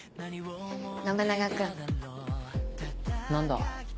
何だ？